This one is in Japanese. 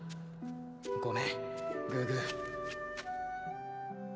ごめんグーグー」。